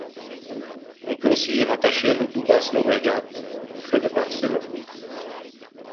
On peut aussi y rattacher le du Bas Llobregat, près de Barcelone.